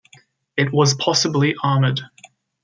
It was possibly armoured.